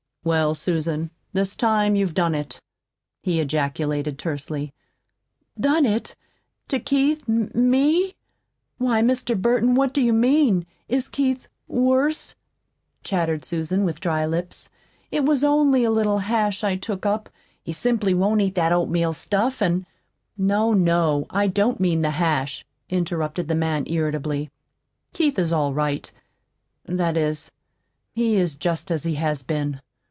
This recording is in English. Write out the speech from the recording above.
"Well, Susan, this time you've done it," he ejaculated tersely. "Done it to Keith ME? Why, Mr. Burton, what do you mean? Is Keith worse?" chattered Susan, with dry lips. "It was only a little hash I took up. He simply won't eat that oatmeal stuff, an' " "No, no, I don't mean the hash," interrupted the man irritably. "Keith is all right that is, he is just as he has been.